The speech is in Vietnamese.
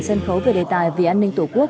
sân khấu về đề tài vì an ninh tổ quốc